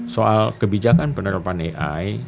soal kebijakan penerapan ai